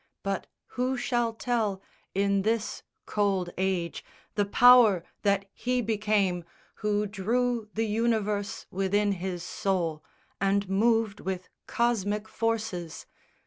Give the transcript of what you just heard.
But who shall tell In this cold age the power that he became Who drew the universe within his soul And moved with cosmic forces?